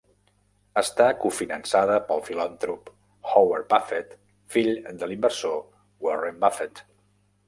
Està cofinançada pel filantrop Howard Buffett, fill de l'inversor Warren Buffett.